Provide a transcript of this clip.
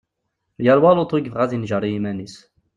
Yal wa lutu i yebɣa ad d-yenǧeri yiman-is.